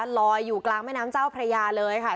ลอยอยู่กลางแม่น้ำเจ้าพระยาเลยค่ะ